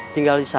tinggal di sana